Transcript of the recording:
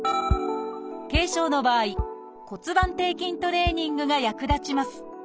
軽症の場合骨盤底筋トレーニングが役立ちます。